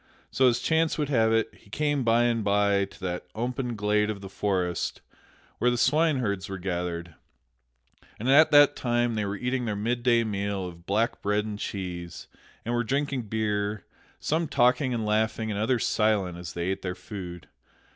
So, as chance would have it, he came by and by to that open glade of the forest where the swineherds were gathered; and at that time they were eating their midday meal of black bread and cheese, and were drinking beer; some talking and laughing and others silent as they ate their food.